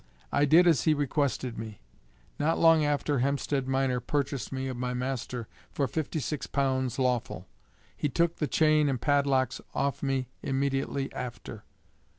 I did as he requested me. Not long after Hempsted Miner purchased me of my master for fifty six pounds lawful. He took the chain and padlocks off me immediately after.